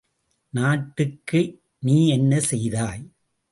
நாட்டுக்கு நீ என்ன செய்தாய்?